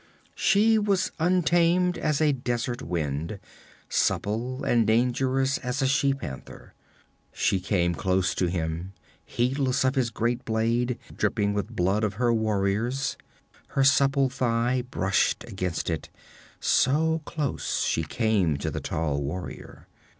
She was untamed as a desert wind, supple and dangerous as a she panther. She came close to him, heedless of his great blade, dripping with blood of her warriors. Her supple thigh brushed against it, so close she came to the tall warrior.